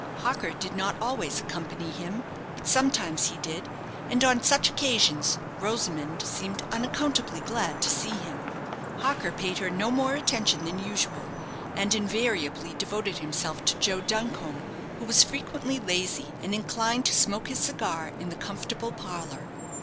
Harker did not always accompany him; but sometimes he did, and on such occasions Rosamond seemed unaccountably glad to see him. Harker paid her no more attention than usual, and invariably devoted himself to Joe Duncombe, who was frequently lazy, and inclined to smoke his cigar in the comfortable parlour.